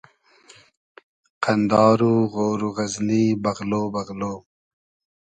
قئندار و غۉر و غئزنی بئغلۉ بئغلۉ